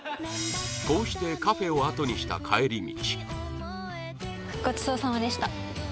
こうしてカフェをあとにした帰り道